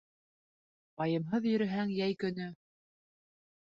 Вайымһыҙ йөрөһәң йәй көнө